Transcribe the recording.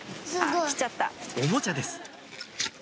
おもちゃです